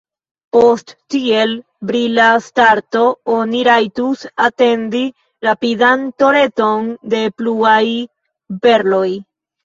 Post tiel brila starto oni rajtus atendi rapidan torenton de pluaj perloj.